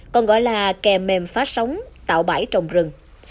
còn gọi là kè mềm phá sóng tạo bãi trồng rừng